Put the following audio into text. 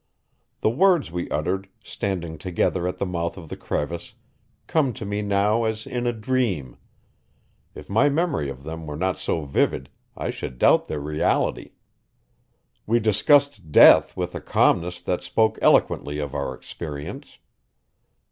The words we uttered, standing together at the mouth of the crevice, come to me now as in a dream; if my memory of them were not so vivid I should doubt their reality. We discussed death with a calmness that spoke eloquently of our experience.